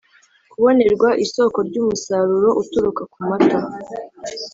kubonerwa isoko ry umusaruro uturuka ku mata